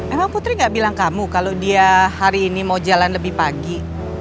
emang putri gak bilang kamu kalau dia hari ini mau jalan lebih pagi